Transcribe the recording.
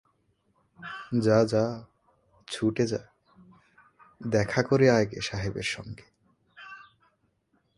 যা যা, ছুটে যা, দেখা করে আয়গে সাহেবের সঙ্গে।